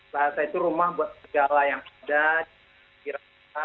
bahasa itu rumah buat segala yang ada di kira kira kita